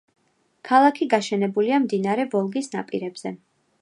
ქალაქი გაშენებულია მდინარე ვოლგის ნაპირებზე.